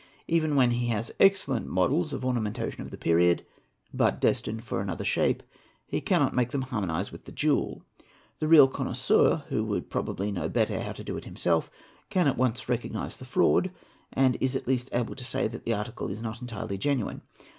Even when he has excellent models of ornamentation of the period, but destined for an another shape, he cannot make them harmonize with the jewel. The real connoisseur, who would probably know better how to do it himself, can at once recognise the _ fraud and is at least able to say that the article is not entirely genuine.